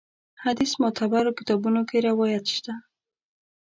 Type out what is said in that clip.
حدیث معتبرو کتابونو کې روایت شته.